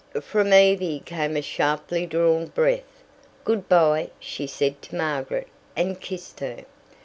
From Evie came a sharply drawn breath. "Good bye," she said to Margaret, and kissed her.